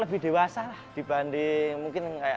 lebih dewasa dibanding mungkin kayak teman teman